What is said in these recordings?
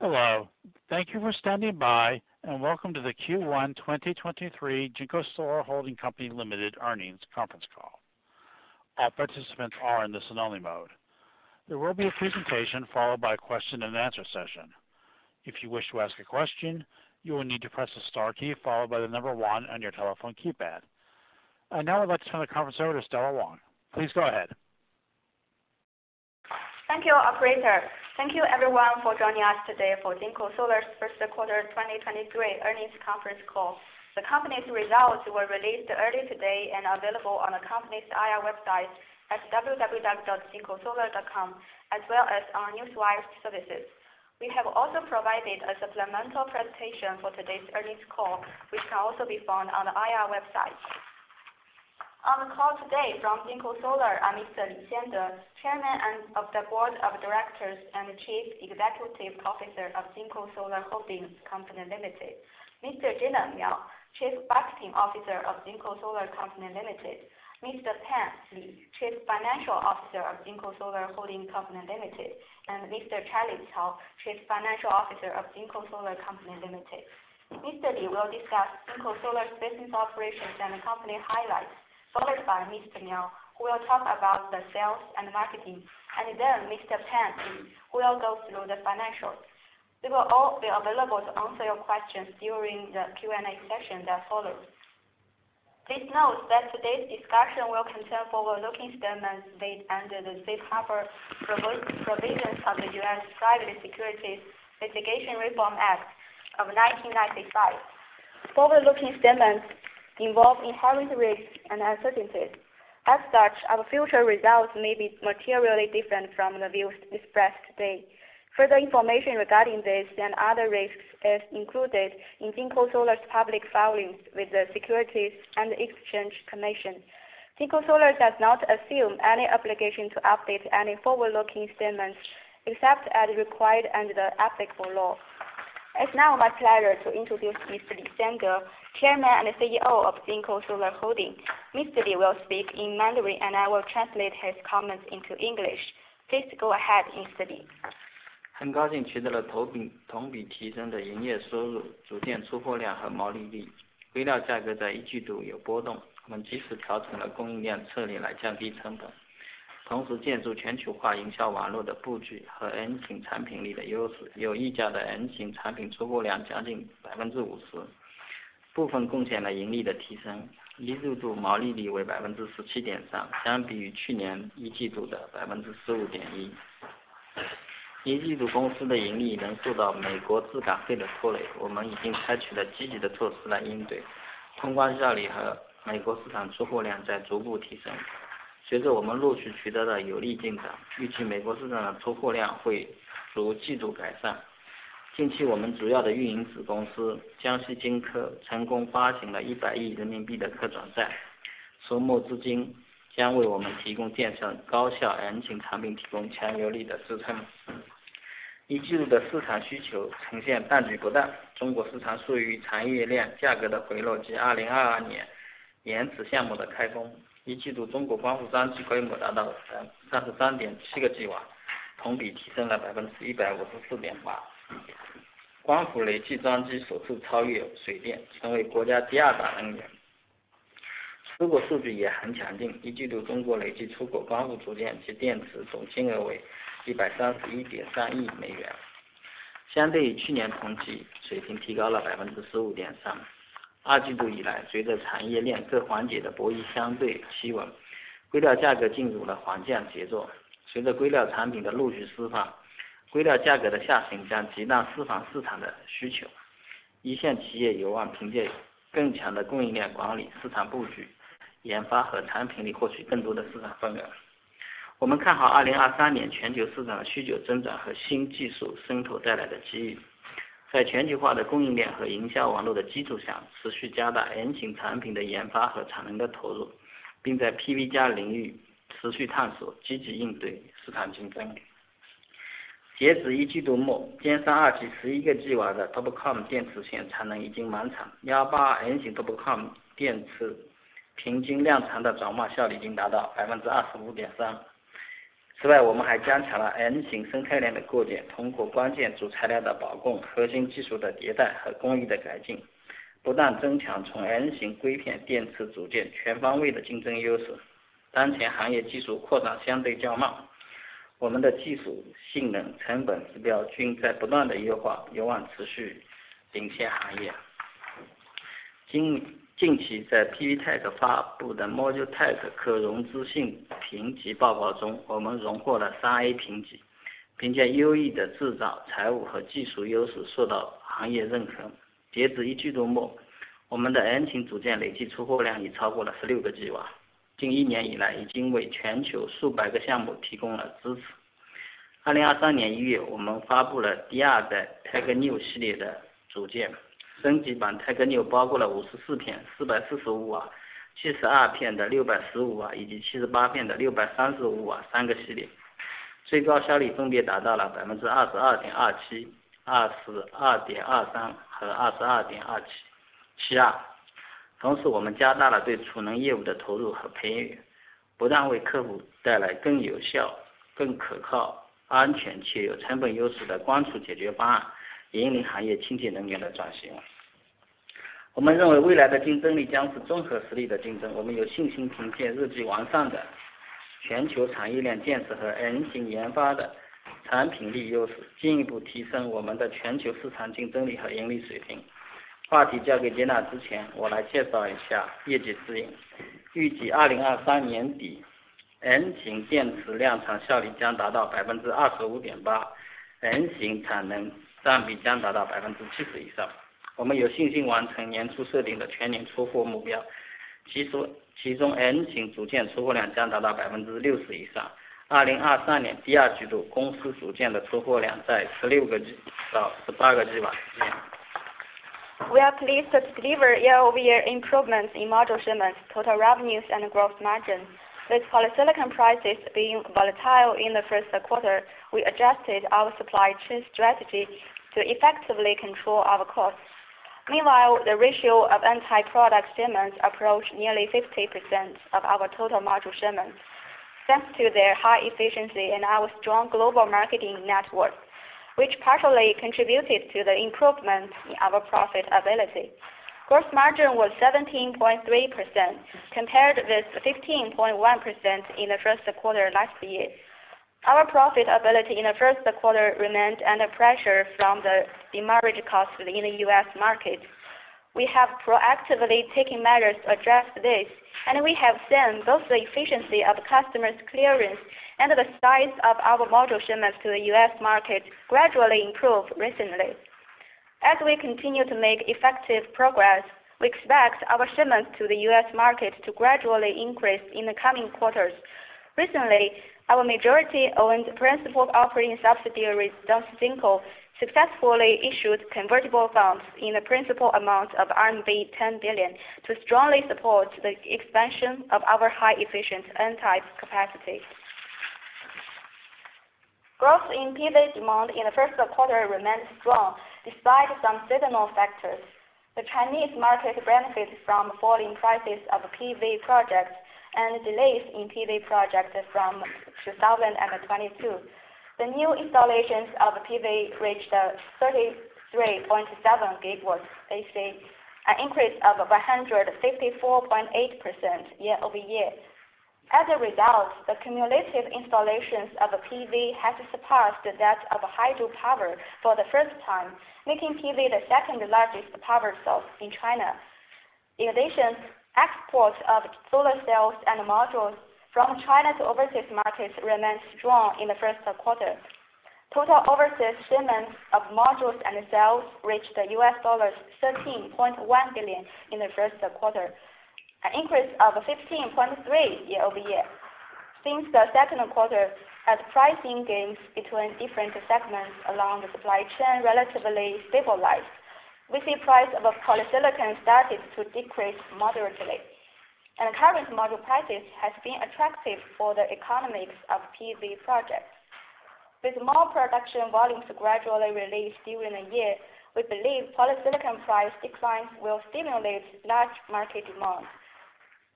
Hello. Thank you for standing by, and welcome to the Q1 2023 JinkoSolar Holding Co., Ltd. earnings conference call. All participants are in the only mode. There will be a presentation followed by a question and answer session. If you wish to ask a question, you will need to "press the star key followed by the number one" on your telephone keypad. Now let's turn the conference over to Stella Wang. Please go ahead. Thank you operator, thank you everyone for joining us today for JinkoSolar's first quarter 2023 earnings conference call. The company's results were released early today and available on the company's IR website at www.jinkosolar.com as well as our Newswire services. We have also provided a supplemental presentation for today's earnings call, which can also be found on the IR website. On call today from JinkoSolar are Mr. Li Xiande, Chairman of the Board of Directors and Chief Executive Officer of JinkoSolar Holding Company Limited, Mr. Gener Miao, Chief Marketing Officer of JinkoSolar Company Limited, Mr. Pan Li, Chief Financial Officer of JinkoSolar Holding Company Limited, and Mr. Charlie Cao, Chief Financial Officer of JinkoSolar Company Limited. Mr. Li will discuss JinkoSolar's business operations and company highlights, followed by Mr. Miao, who will talk about the sales and marketing and then Mr. Pan Li, who will go through the financials. They will all be available to answer your questions during the Q&A session that follows. Please note that today's discussion will concern forward-looking statements made under the safe harbor provisions of the US Private Securities Litigation Reform Act of 1995. Forward-looking statements involve inherent risks and uncertainties. As such, our future results may be materially different from the views expressed today. Further information regarding this and other risks is included in JinkoSolar's public filings with the Securities and Exchange Commission. JinkoSolar does not assume any obligation to update any forward-looking statements, except as required under the applicable law. It's now my pleasure to introduce Mr. Li Xiande, Chairman and CEO of JinkoSolar Holding. Mr. Li will speak in Mandarin and I will translate his comments into English. Please go ahead, Mr. Li. 很高兴取得了同比提升的营业收入、组件出货量和毛利率。硅料价格在一季度有波 动， 我们及时调整了供应量策略来降低成本。同时建筑全球化营销网络的布局和 N-type 产品力的优 势， 有溢价的 N-type 产品出货量将近 50%， 部分贡献了盈利的提升。一季度毛利率为 17.3%， 相比于去年一季度的 15.1%。一季度公司的盈利能受到美国自保费的拖 累， 我们已经采取了积极的措施来应对。通关效率和美国市场出货量在逐步提升。随着我们陆续取得了有力进 展， 预计美国市场的出货量会逐季度改善 We are pleased to deliver year-over-year improvements in module shipments, total revenues, and gross margins. With polysilicon prices being volatile in the first quarter, we adjusted our supply chain strategy to effectively control our costs. Meanwhile, the ratio of N-type product shipments approached nearly 50% of our total module shipments, thanks to their high efficiency and our strong global marketing network, which partially contributed to the improvement in our profitability. Gross margin was 17.3%, compared with 15.1% in the first quarter last year. Our profitability in the first quarter remained under pressure from the demurrage costs in the US market. We have proactively taken measures to address this, and we have seen both the efficiency of customers' clearance and the size of our module shipments to the US market gradually improve recently. As we continue to make effective progress, we expect our shipments to the U.S. market to gradually increase in the coming quarters. Recently, our majority-owned principal operating subsidiary Jiangxi Jingko, successfully issued convertible bonds in the principal amount of RMB 10 billion to strongly support the expansion of our high-efficient N-type capacity. Growth in PV demand in the first quarter remained strong despite some seasonal factors. The Chinese market benefited from falling prices of PV projects and delays in PV projects from 2022. The new installations of PV reached 33.7 GW AC, an increase of 154.8% year-over-year. As a result, the cumulative installations of PV has surpassed that of hydropower for the first time, making PV the second-largest power source in China. In addition, exports of solar cells and modules from China to overseas markets remained strong in the first quarter. Total overseas shipments of modules and cells reached $13.1 billion in the first quarter, an increase of 15.3% year-over-year. Since the second quarter, as pricing gains between different segments along the supply chain relatively stabilized, we see price of polysilicon started to decrease moderately, and current module prices has been attractive for the economics of PV projects. With more production volumes gradually released during the year, we believe polysilicon price declines will stimulate large market demand.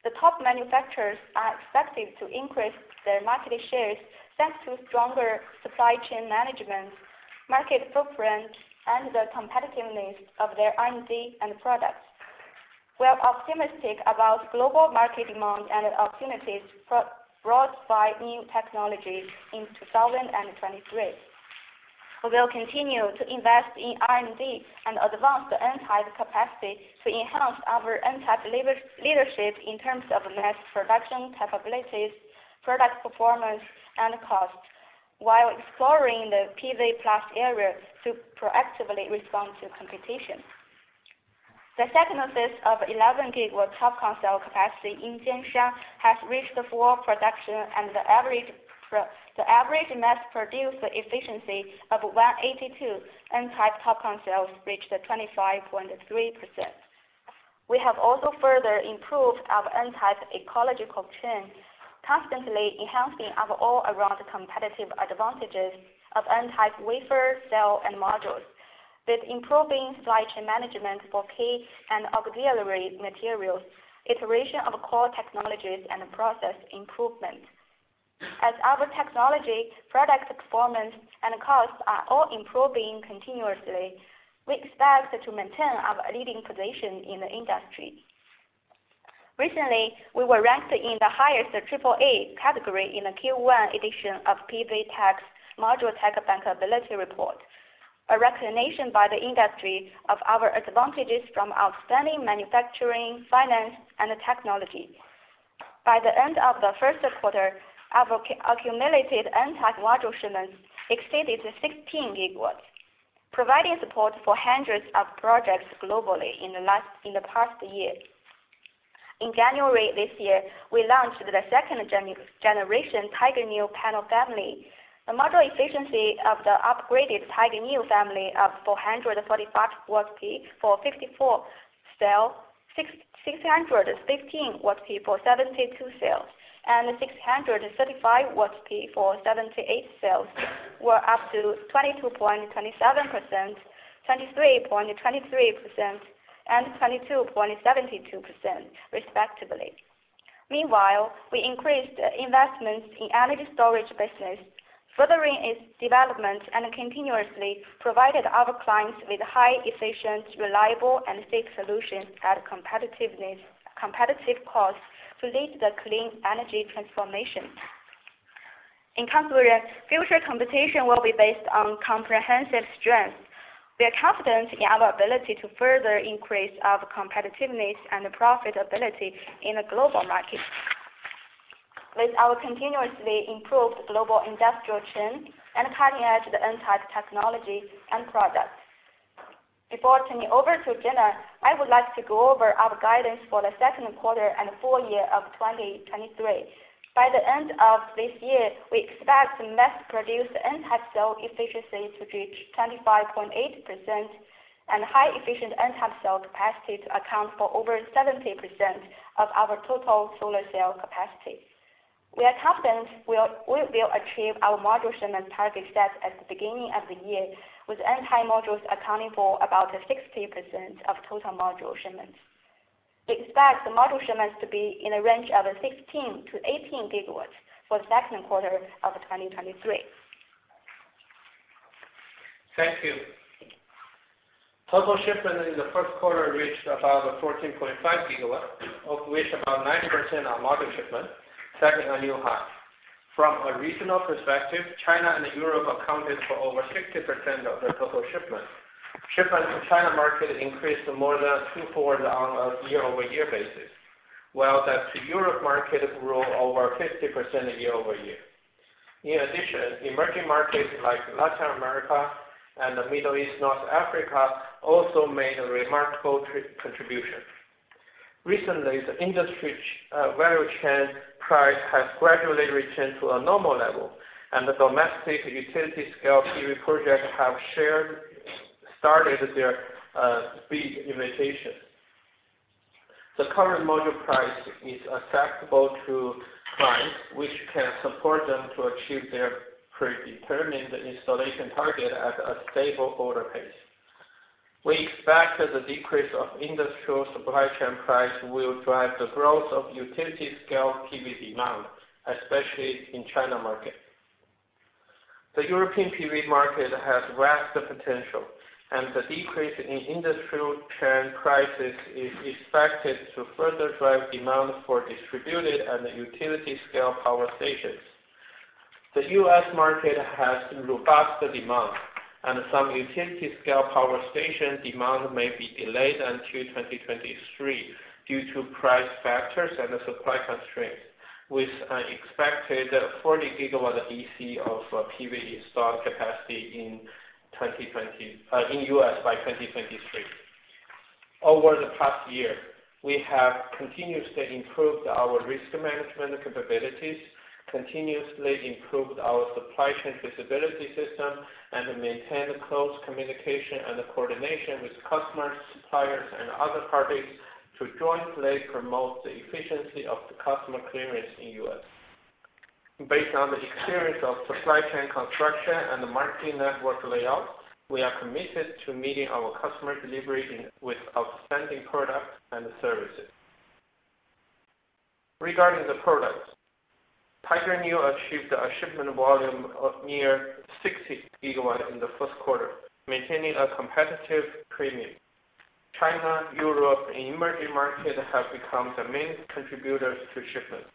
The top manufacturers are expected to increase their market shares thanks to stronger supply chain management, market footprint, and the competitiveness of their R&D and products. We are optimistic about global market demand and the opportunities brought by new technologies in 2023. We will continue to invest in R&D and advance the N-type capacity to enhance our N-type leadership in terms of mass production capabilities, product performance, and cost, while exploring the PV+ area to proactively respond to competition. The second phase of 11 GWg TOPCon cell capacity in Jianshan has reached full production and the average mass produced efficiency of 182 N-type TOPCon cells reached 25.3%. We have also further improved our N-type ecological chain, constantly enhancing our all-around competitive advantages of N-type wafer, cell, and modules. With improving supply chain management for key and auxiliary materials, iteration of core technologies, and process improvements. As our technology, product performance, and cost are all improving continuously, we expect to maintain our leading position in the industry. Recently, we were ranked in the highest AAA category in the Q1 edition of PV Tech's PV ModuleTech Bankability Report, a recognition by the industry of our advantages from outstanding manufacturing, finance, and technology. By the end of the first quarter, our accumulated N-type module shipments exceeded 16 GW, providing support for hundreds of projects globally in the past year. In January this year, we launched the second-generation Tiger Neo panel family. The module efficiency of the upgraded Tiger Neo family of 445 watts peak for 54 cell, 615 watts peak for 72 cells, and 635 watts peak for 78 cells were up to 22.27%, 23.23%, and 22.72%, respectively. Meanwhile, we increased investments in energy storage business, furthering its development and continuously provided our clients with high efficient, reliable, and safe solutions at competitive cost to lead the clean energy transformation. In conclusion, future competition will be based on comprehensive strength. We are confident in our ability to further increase our competitiveness and profitability in the global market. With our continuously improved global industrial chain and cutting-edge N-type technology and products. Before turning over to Gener Miao, I would like to go over our guidance for the second quarter and full year of 2023. By the end of this year, we expect mass-produced N-type cell efficiency to reach 25.8% and high efficient N-type cell capacity to account for over 70% of our total solar cell capacity. We are confident we will achieve our module shipment target set at the beginning of the year, with N-type modules accounting for about 60% of total module shipments. We expect the module shipments to be in a range of 16-18 GW for the second quarter of 2023. Thank you. Total shipment in the first quarter reached about 14.5 GW, of which about 90% are module shipment, setting a new high. From a regional perspective, China and Europe accounted for over 60% of the total shipment. Shipment to China market increased more than twofold on a year-over-year basis, while that to Europe market grew over 50% year-over-year. In addition, emerging markets like Latin America and the Middle East, North Africa also made a remarkable contribution. Recently, the industry value chain price has gradually returned to a normal level, and the domestic utility scale PV projects have started their big invitation. The current module price is acceptable to clients, which can support them to achieve their predetermined installation target at a stable order pace. We expect the decrease of industrial supply chain price will drive the growth of utility-scale PV demand, especially in China market. The European PV market has vast potential. The decrease in industrial chain prices is expected to further drive demand for distributed and utility-scale power stations. The US market has robust demand. Some utility-scale power station demand may be delayed until 2023 due to price factors and supply constraints, with an expected 40 GW DC of PV installed capacity in US by 2023. Over the past year, we have continuously improved our risk management capabilities, continuously improved our supply chain visibility system, and maintained close communication and coordination with customers, suppliers, and other parties to jointly promote the efficiency of the customer clearance in US. Based on the experience of supply chain construction and the marketing network layout, we are committed to meeting our customer delivery with outstanding products and services. Regarding the products, Tiger Neo achieved a shipment volume of near 60 GW in the first quarter, maintaining a competitive premium. China, Europe, and emerging markets have become the main contributors to shipments.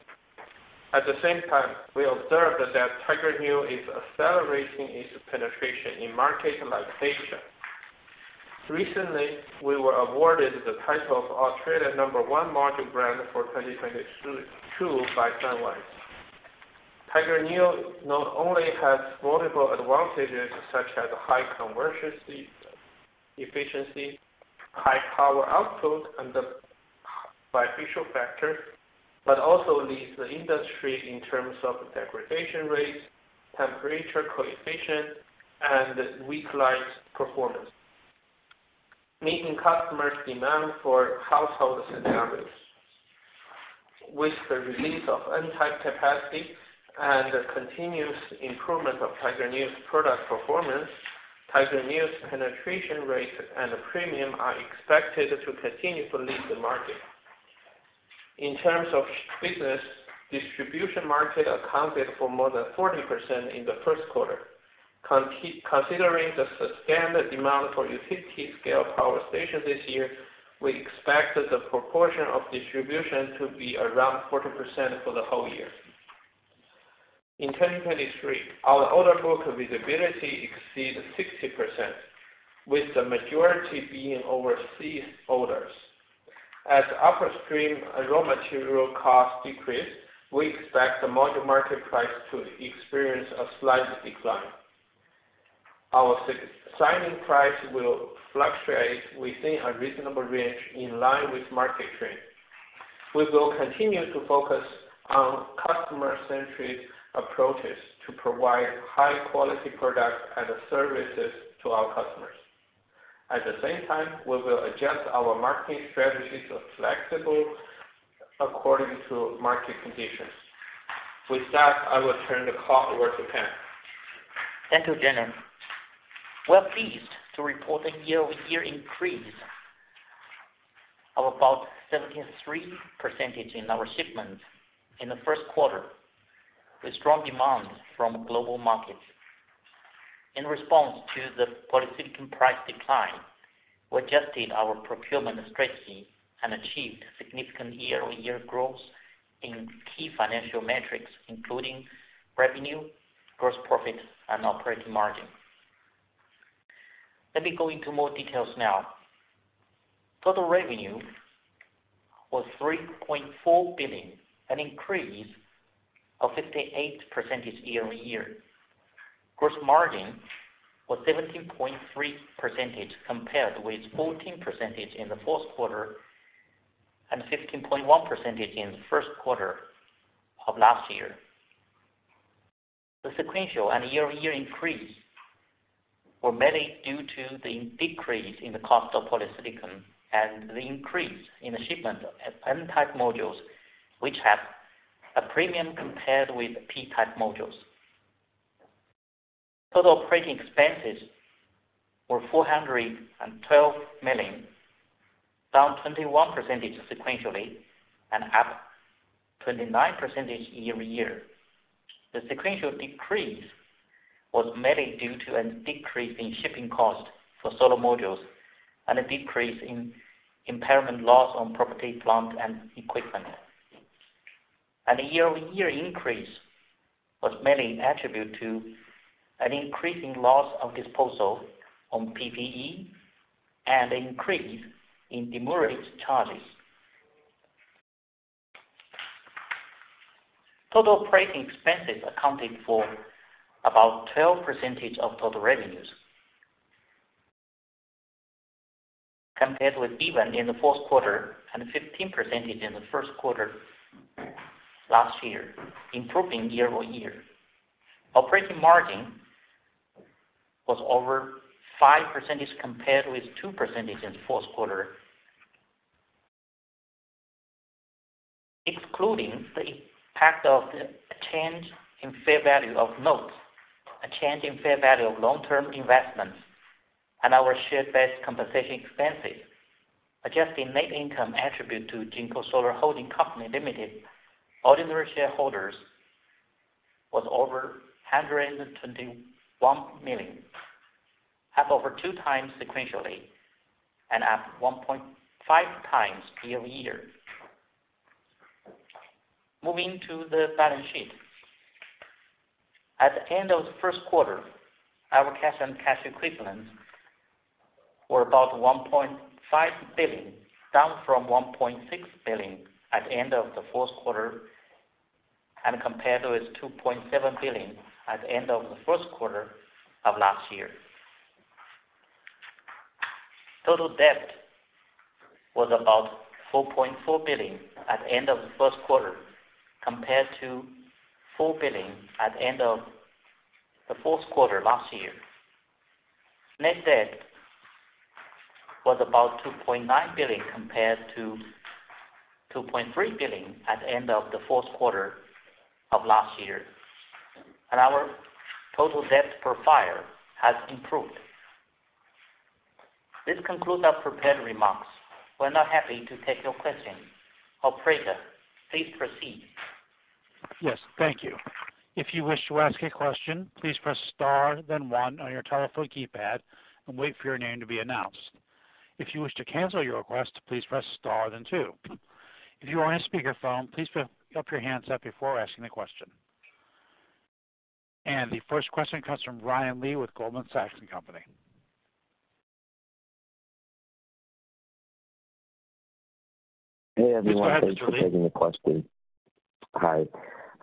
At the same time, we observed that Tiger Neo is accelerating its penetration in markets like Asia. Recently, we were awarded the title of Australia number one module brand for 2022 by Sunwiz. Tiger Neo not only has multiple advantages such as high conversion efficiency, high power output, and the bifacial factor, but also leads the industry in terms of degradation rates, temperature coefficient, and weak light performance, meeting customers' demand for household scenarios. With the release of N-type capacity and the continuous improvement of Tiger Neo's product performance, Tiger Neo's penetration rate and premium are expected to continue to lead the market. In terms of business, distribution market accounted for more than 40% in the first quarter. Considering the sustained demand for utility scale power station this year, we expect that the proportion of distribution to be around 40% for the whole year. In 2023, our order book visibility exceeds 60%, with the majority being overseas orders. As upstream raw material costs decrease, we expect the module market price to experience a slight decline. Our signing price will fluctuate within a reasonable range in line with market trend. We will continue to focus on customer-centric approaches to provide high-quality products and services to our customers. At the same time, we will adjust our marketing strategies flexible according to market conditions. With that, I will turn the call over to Pan. Thank you, Gener. We are pleased to report a year-over-year increase of about 73% in our shipments in the first quarter with strong demand from global markets. In response to the polysilicon price decline, we adjusted our procurement strategy and achieved significant year-on-year growth in key financial metrics, including revenue, gross profit, and operating margin. Let me go into more details now. Total revenue was $3.4 billion, an increase of 58% year-on-year. Gross margin was 17.3% compared with 14% in the fourth quarter and 15.1% in the first quarter of last year. The sequential and year-on-year increase were mainly due to the decrease in the cost of polysilicon and the increase in the shipment of N-type modules, which have a premium compared with P-type modules. Total operating expenses were $412 million, down 21% sequentially and up 29% year-on-year. The sequential decrease was mainly due to a decrease in shipping cost for solar modules and a decrease in impairment loss on PPE. The year-over-year increase was mainly attributed to an increase in loss of disposal on PPE and an increase in demurrage charges. Total operating expenses accounted for about 12% of total revenues compared with even in the fourth quarter and 15% in the first quarter last year, improving year-over-year. Operating margin was over 5% compared with 2% in the fourth quarter. Excluding the impact of the change in fair value of notes, a change in fair value of long-term investments, and our share-based compensation expenses, adjusting net income attribute to JinkoSolar Holding Co., Ltd., ordinary shareholders was over $121 million, up over 2x sequentially and up 1.5x year-over-year. Moving to the balance sheet. At the end of the first quarter, our cash and cash equivalents were about $1.5 billion, down from $1.6 billion at the end of the fourth quarter and compared with $2.7 billion at the end of the first quarter of last year. Total debt was about $4.4 billion at the end of the first quarter compared to $4 billion at the end of the fourth quarter last year. Net debt was about $2.9 billion compared to $2.3 billion at the end of the fourth quarter of last year. Our total debt per share has improved. This concludes our prepared remarks. We're now happy to take your questions. Operator, please proceed. Yes. Thank you. If you wish to ask a question, "please press star then one" on your telephone keypad and wait for your name to be announced. If you wish to cancel your request, "please press star then two". If you are on speakerphone, please put up your handset before asking the question. The first question comes from Brian Lee with Goldman Sachs & Company. Hey, everyone. Thanks for taking the question. Hi.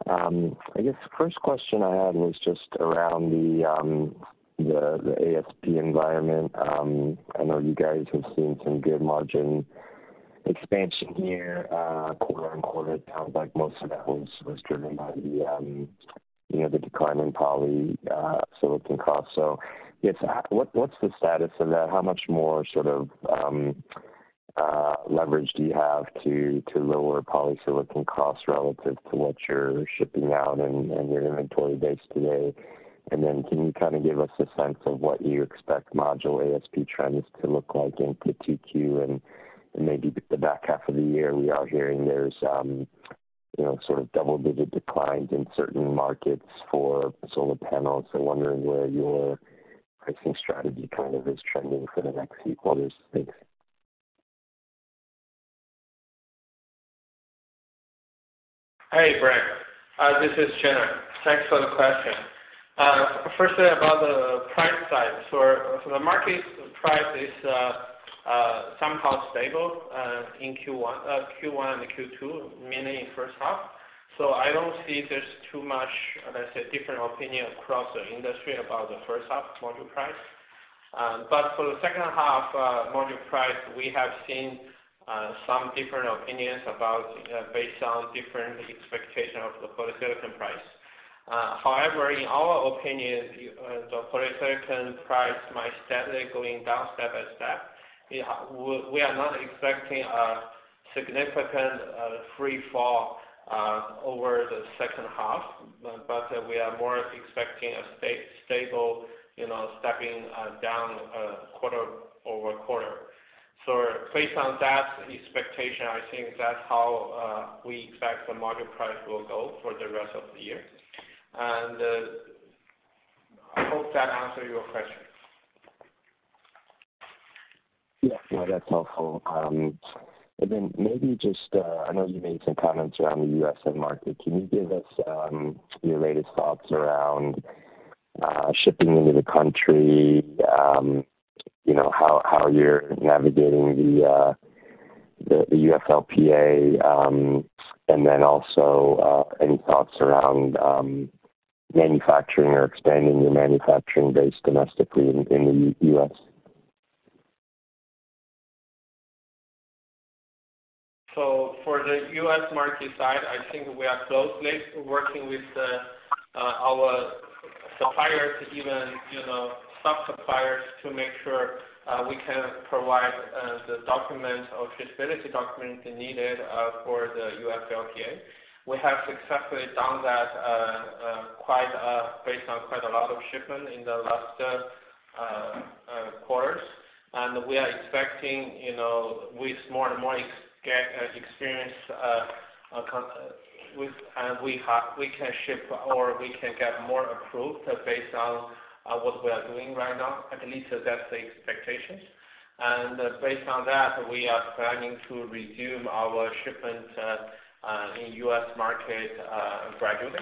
I guess the first question I had was just around the ASP environment. I know you guys have seen some good margin expansion here quarter-on-quarter. It sounds like most of that was driven by the, you know, the decline in polysilicon costs. I guess, what's the status of that? How much more sort of leverage do you have to lower polysilicon costs relative to what you're shipping out and your inventory base today? Can you kind of give us a sense of what you expect module ASP trends to look like into 2Q and maybe the back half of the year? We are hearing there's, you know, sort of double-digit declines in certain markets for solar panels. Wondering where your pricing strategy kind of is trending for the next few quarters. Thanks. Hey, Brian. This is Gener. Thanks for the question. Firstly, about the price side. The market price is somehow stable in Q1 and Q2, mainly in first half. I don't see there's too much, let's say, different opinion across the industry about the first half module price. For the second half module price, we have seen some different opinions about based on different expectation of the polysilicon price. However, in our opinion, the polysilicon price might steadily going down step by step. We are not expecting. Significant free fall over the second half, but we are more expecting a stable, you know, stepping down quarter-over-quarter. Based on that expectation, I think that's how we expect the market price will go for the rest of the year. And I hope that answer your question. Yeah, no, that's helpful. Maybe just, I know you made some comments around the U.S. market. Can you give us your latest thoughts around shipping into the country? You know, how you're navigating the UFLPA, and then also any thoughts around manufacturing or expanding your manufacturing base domestically in the U.S.? For the U.S. market side, I think we are closely working with our suppliers to even, you know, sub-suppliers to make sure we can provide the document or traceability document needed for the UFLPA. We have successfully done that based on quite a lot of shipment in the last quarters. We are expecting, you know, with more and more get experience, and we can ship or we can get more approved based on what we are doing right now. At least that's the expectations. Based on that, we are planning to resume our shipment in U.S. market gradually.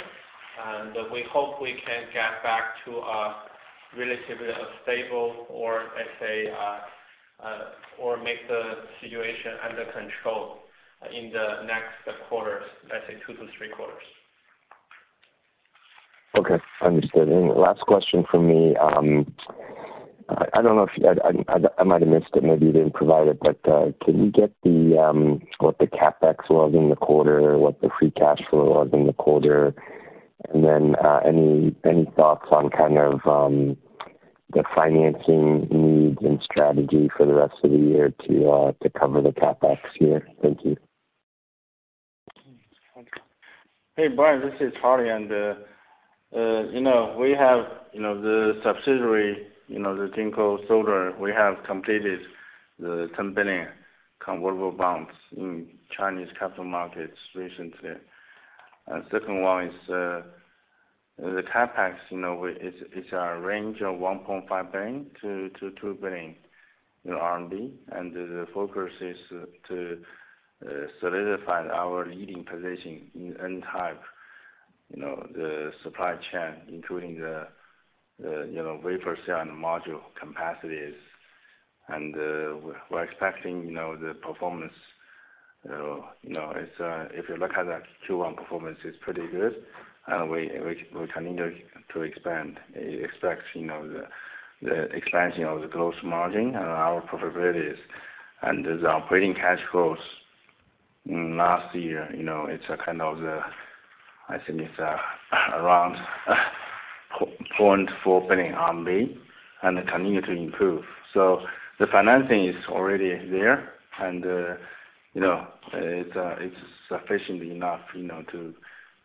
We hope we can get back to a relatively stable or let's say, or make the situation under control in the next quarters, let's say two to three quarters. Okay, understood. Last question from me. I might have missed it, maybe you didn't provide it. Can you get the, what the CapEx was in the quarter, what the free cash flow was in the quarter? Any thoughts on kind of, the financing needs and strategy for the rest of the year to cover the CapEx year? Thank you. Hey, Brian, this is Charlie. You know, we have, you know, the subsidiary, you know, the Jinko Solar, we have completed the 10 billion convertible bonds in Chinese capital markets recently. Second one is, the CapEx, you know, it's a range of 1.5 billion-2 billion in R&D. The focus is to solidify our leading position in N-type, you know, the supply chain, including the, you know, wafer cell and module capacities. We're expecting, you know, the performance. You know, it's, if you look at the Q1 performance, it's pretty good and we continue to expand. Expect, you know, the expansion of the gross margin and our profitabilities. The operating cash flows last year, you know, it's a kind of the. I think it's, around 0.4 billion RMB and continue to improve. The financing is already there and, you know, it's sufficiently enough, you know,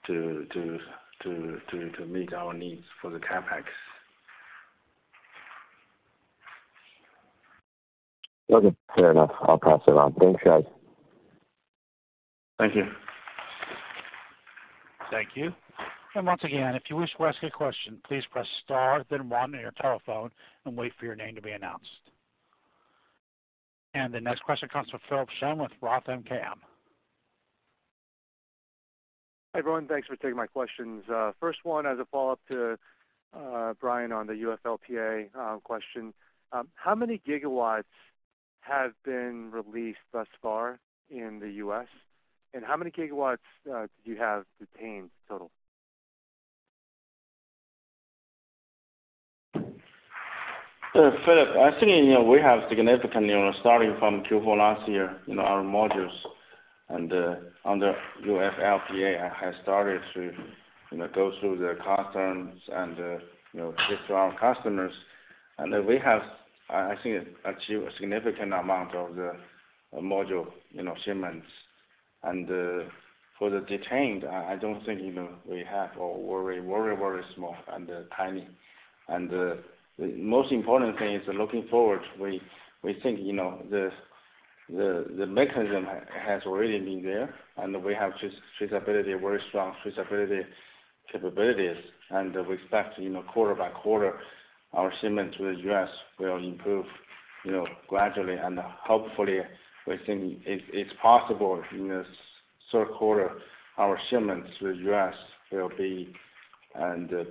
to meet our needs for the CapEx. Okay, fair enough. I'll pass it on. Thanks, guys. Thank you. Thank you. Once again, if you wish to ask a question, please press star then one on your telephone and wait for your name to be announced. The next question comes from Philip Shen with Roth MKM. Hi, everyone. Thanks for taking my questions. First one, as a follow-up to Brian on the UFLPA question. How many gigawatts have been released thus far in the U.S.? How many gigawatts do you have detained total? Philip, I think, you know, we have significant, you know, starting from Q4 last year, you know, our modules and under UFLPA has started to, you know, go through the customs and, you know, ship to our customers. We have, I think, achieved a significant amount of the module, you know, shipments. For the detained, I don't think, you know, we have or very small and tiny. The most important thing is looking forward, we think, you know, the mechanism has already been there, and we have traceability, very strong traceability capabilities. We expect, you know, quarter by quarter, our shipments to the US will improve, you know, gradually and hopefully, we think it's possible in the third quarter, our shipments to the US will be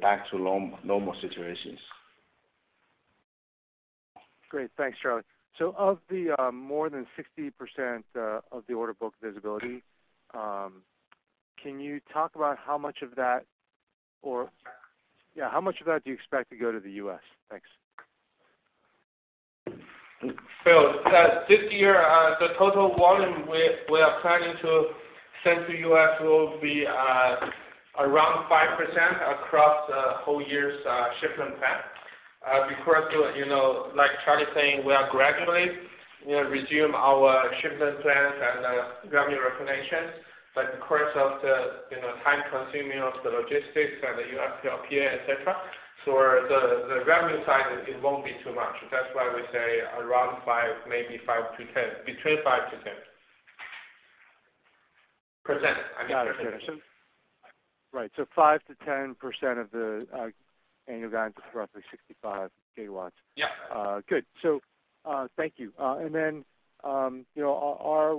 back to normal situations. Great. Thanks, Charlie. Of the more than 60% of the order book visibility, can you talk about how much of that do you expect to go to the US? Thanks. Philip, this year, the total volume we are planning to send to U.S. will be around 5% across the whole year's shipment plan. You know, like Charlie saying, we are gradually, you know, resume our shipment plans and revenue recognition. Because of the, you know, time consuming of the logistics and the UFLPA, et cetera. The revenue side, it won't be too much. That's why we say around 5%, maybe 5%-10%, between 5%-10%. %. I mean %. Got it. Right. So 5%-10% of the, annual guidance is roughly 65 GW. Yeah. Good. Thank you. You know, our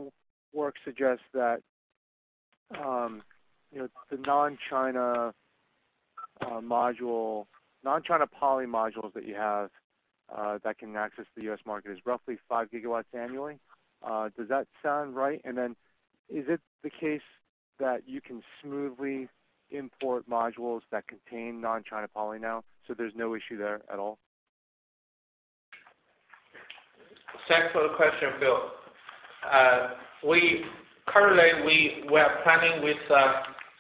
work suggests that, you know, the non-China, module, non-China poly modules that you have, that can access the U.S. market is roughly 5 GW annually. Does that sound right? Is it the case that you can smoothly import modules that contain non-China poly now, so there's no issue there at all? Thanks for the question, Bill. currently, we are planning with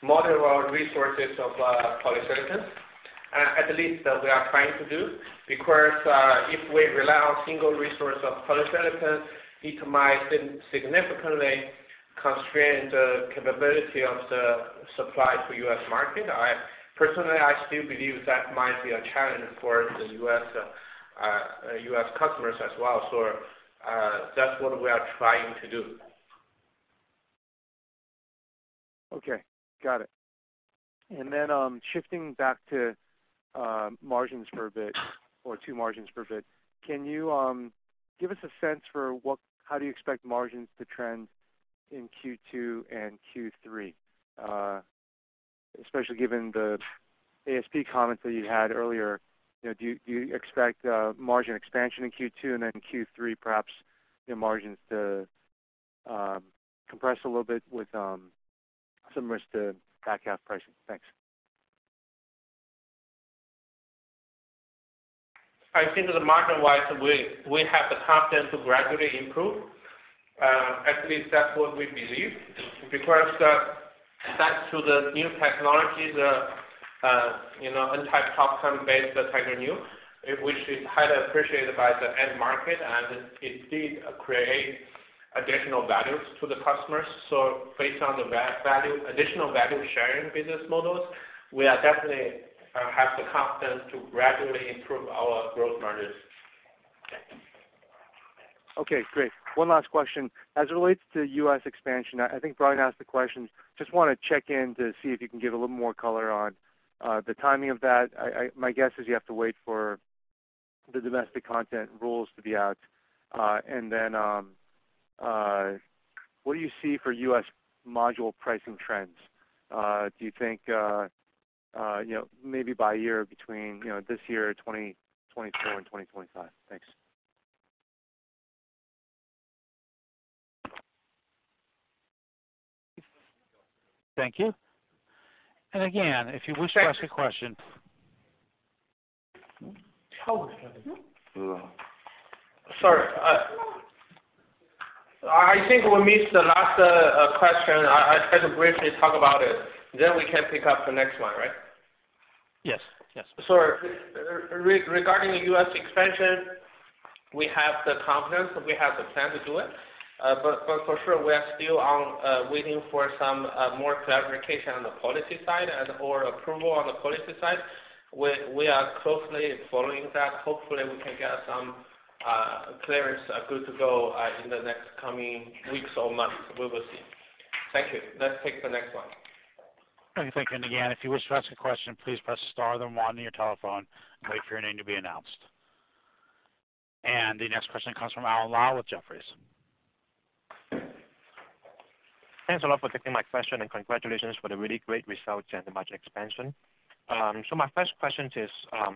multiple resources of polysilicon. At least that we are trying to do, because if we rely on single resource of polysilicon, it might significantly constrain the capability of the supply for US market. personally, I still believe that might be a challenge for the US customers as well. that's what we are trying to do. Okay. Got it. Then shifting back to margins for a bit, or to margins for a bit. Can you give us a sense for how do you expect margins to trend in Q2 and Q3? Especially given the ASP comments that you had earlier, you know, do you expect margin expansion in Q2 and then Q3, perhaps your margins to compress a little bit with similar to back half pricing? Thanks. I think the margin-wise, we have the confidence to gradually improve. At least that's what we believe. Thanks to the new technologies, you know, N-type TOPCon-based Tiger Neo, which is highly appreciated by the end market, and it did create additional values to the customers. Based on the value, additional value sharing business models, we are definitely have the confidence to gradually improve our growth margins. Thanks. Okay, great. One last question. As it relates to US expansion, I think Brian asked the question. Just wanna check in to see if you can give a little more color on the timing of that. My guess is you have to wait for the domestic content rules to be out. What do you see for US module pricing trends? Do you think, you know, maybe by year between, you know, this year, 2024 and 2025? Thanks. Thank you. Again, if you wish to ask a question- Sorry. I think we missed the last question. I can briefly talk about it, then we can pick up the next one, right? Yes. Yes. Regarding the U.S. expansion, we have the confidence, we have the plan to do it. For sure, we are still waiting for some more clarification on the policy side and/or approval on the policy side. We are closely following that. Hopefully, we can get some clearance, good to go, in the next coming weeks or months. We will see. Thank you. Let's take the next one. Thank you. Again, if you wish to ask a question, please press star then one on your telephone, and wait for your name to be announced. The next question comes from Alan Lau with Jefferies. Thanks a lot for taking my question. Congratulations for the really great results and the margin expansion. My first question is, I'd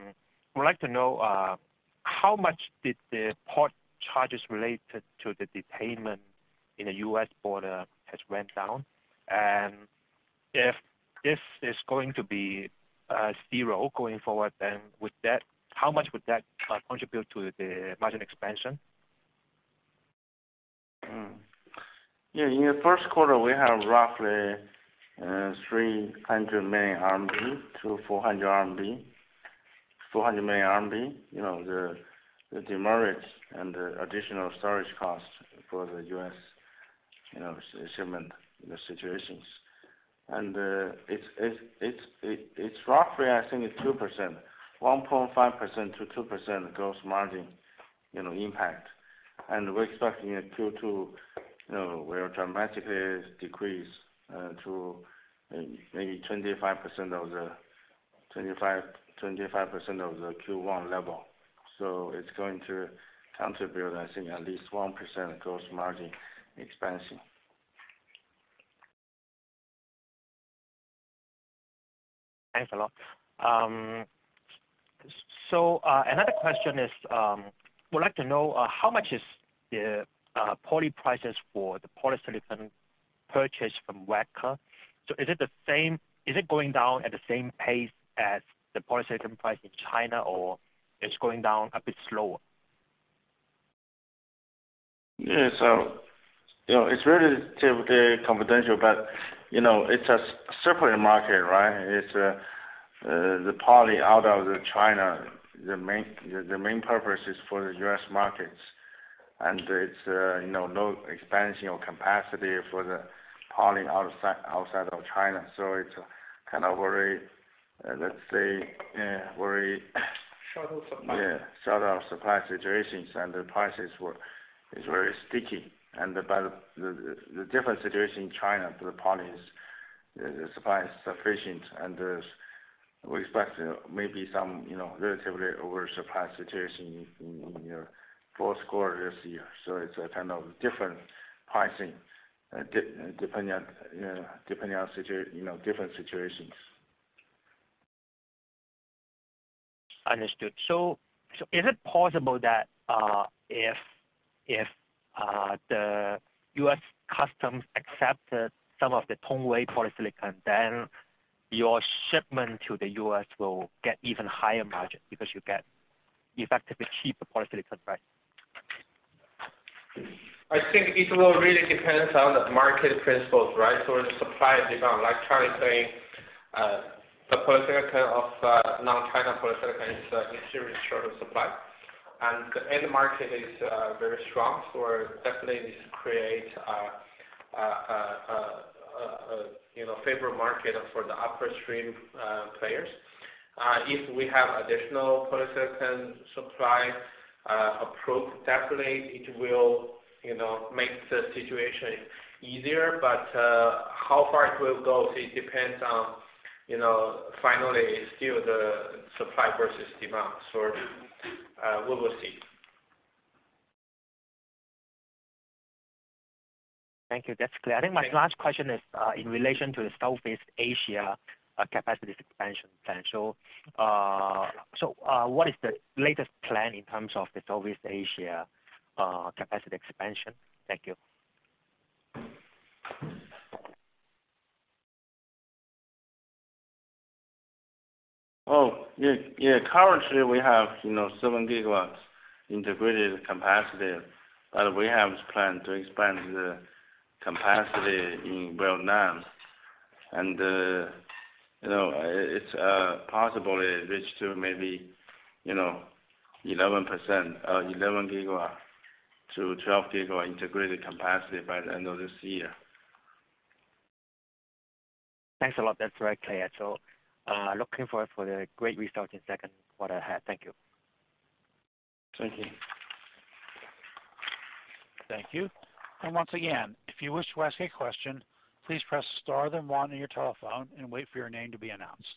like to know, how much did the port charges related to the demurrage in the U.S. border has went down? If this is going to be zero going forward, then how much would that contribute to the margin expansion? In the first quarter, we have roughly 300 million-400 million RMB. You know, the demurrage and the additional storage costs for the US, you know, shipment situations. It's roughly, I think it's 2%, 1.5%-2% gross margin, you know, impact. We're expecting in Q2, you know, will dramatically decrease to maybe 25% of the Q1 level. It's going to contribute, I think, at least 1% gross margin expansion. Thanks a lot. Another question is, would like to know how much is the poly prices for the polysilicon purchased from Wacker? Is it going down at the same pace as the polysilicon price in China, or it's going down a bit slower? Yeah. you know, it's really typically confidential, but, you know, it's a separate market, right? It's the poly out of the China, the main purpose is for the US markets. it's, you know, no expansion or capacity for the poly outside of China. it's kind of very, let's say. Short of supply. Yeah, short of supply situations, the prices were is very sticky. But the different situation in China, the poly is the supply is sufficient, and we expect maybe some, you know, relatively oversupply situation in your fourth quarter this year. It's a kind of different pricing depending on, you know, depending on, you know, different situations. Understood. Is it possible that, if the US customs accepted some of the Tongwei polysilicon, then your shipment to the US will get even higher margin because you get effectively cheaper polysilicon, right? I think it will really depends on the market principles, right? The supply and demand, like Charlie saying, the polysilicon of non-China polysilicon is in serious short of supply. The end market is very strong. Definitely this create, you know, favorable market for the upstream players. If we have additional polysilicon supply approved, definitely it will, you know, make the situation easier. How far it will go, it depends on, you know, finally still the supply versus demand. We will see. Thank you. That's clear. I think my last question is in relation to the Southeast Asia capacity expansion plan. What is the latest plan in terms of the Southeast Asia capacity expansion? Thank you. Oh, yeah. Yeah. Currently, we have, you know, 7 GW integrated capacity, but we have planned to expand the capacity in Vietnam. You know, it's possibly reach to maybe, you know, 11 %, 12 GW integrated capacity by the end of this year. Thanks a lot. That's very clear. Looking forward for the great result in second quarter ahead. Thank you. Thank you. Thank you. Once again, if you wish to ask a question, please press star then one on your telephone and wait for your name to be announced.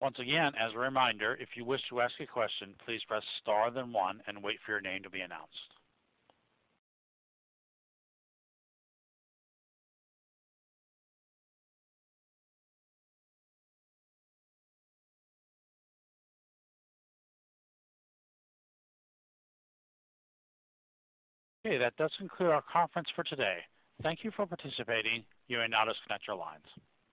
Once again, as a reminder, if you wish to ask a question, please press star then one and wait for your name to be announced. Okay. That does conclude our conference for today. Thank you for participating. You may now disconnect your lines.